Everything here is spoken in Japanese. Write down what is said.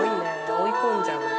追い込んじゃうんだ。